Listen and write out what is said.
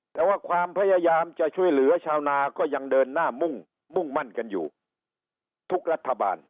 แต่ว่าความพยายามจะช่วยเหลือชาวนาก็ยังเดินหน้ามุ่งมั่นกันอยู่ทุกรัฐบาล